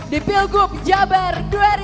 di pilgub jabar dua ribu delapan belas